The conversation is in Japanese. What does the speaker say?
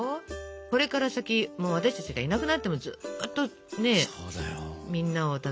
これから先もう私たちがいなくなってもずっとみんなを楽しませていくわけだから。